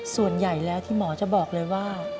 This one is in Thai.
ส่วนใหญ่แล้วที่หมอจะบอกเลยว่า